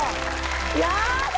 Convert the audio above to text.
やだ！